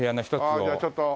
じゃあちょっと。